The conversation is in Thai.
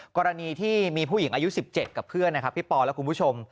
กรณีที่มีผู้หญิงอายุ๑๗กับเพื่อนนะครับพี่ปอและคุณผู้ชม